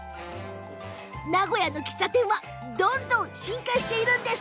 名古屋の喫茶店はどんどん進化しているんです！